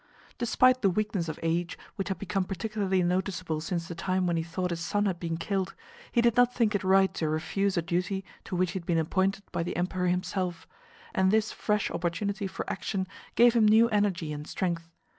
Despite the weakness of age, which had become particularly noticeable since the time when he thought his son had been killed, he did not think it right to refuse a duty to which he had been appointed by the Emperor himself, and this fresh opportunity for action gave him new energy and strength.